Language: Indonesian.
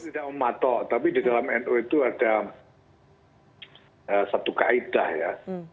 tidak mematok tapi di dalam nu itu ada satu kaedah ya